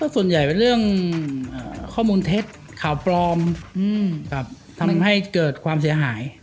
ส่วนใหญ่เป็นเรื่องข้อมูลเท็จข่าวปลอมทำให้เกิดความเสียหาย